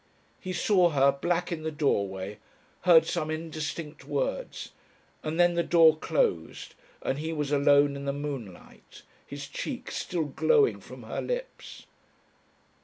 He saw her, black in the doorway, heard some indistinct words, and then the door closed and he was alone in the moonlight, his cheek still glowing from her lips....